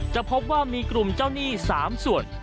จะพบว่ามีกลุ่มเจ้าหนี้๓ส่วน